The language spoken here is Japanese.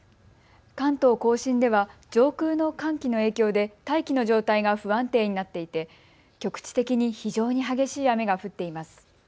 関東甲信では上空の寒気の影響で大気の状態が不安定になっていて局地的に非常に激しい雨が降っています。